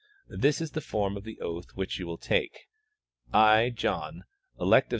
This is the form of the oath which you will take : I, John, elect of S.